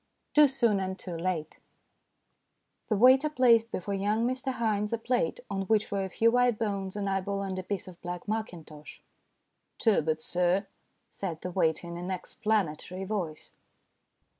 TOO SOON AND TOO LATE THE waiter placed before young Mr Haynes a plate on which were a few white bones, an eyeball, and a piece of black mackintosh. " Turbot, sir," said the waiter, in an explanatory voice.